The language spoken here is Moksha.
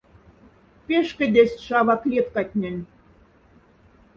Пяшкодесть шава клеткатнень.